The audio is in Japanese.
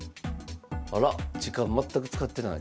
あら時間全く使ってない。